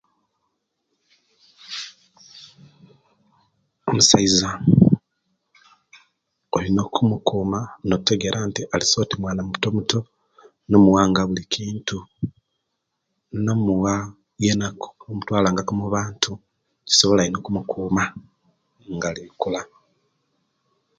Omusaiza olina okumukuuma notegera nti ali'so mwana mutomuto nomuwanga buli kintu nomuwa yena ku nomutwalangaku mubantu kisobola ino okumukuuma nga ali kukola